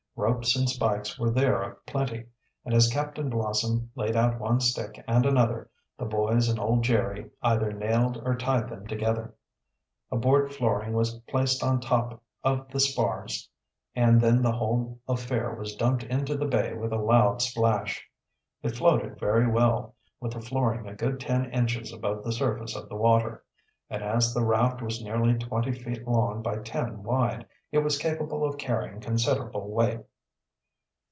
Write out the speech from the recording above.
Ropes and spikes were there a plenty, and as Captain Blossom laid out one stick and another, the boys and old Jerry either nailed or tied them together. A board flooring was placed on top of the spars and then the whole affair was dumped into the bay with a loud splash. It floated very well, with the flooring a good ten inches above the surface of the water, and as the raft was nearly twenty feet long by ten wide, it was capable of carrying considerable weight.